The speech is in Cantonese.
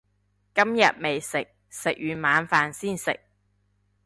今日未食，食完晚飯先食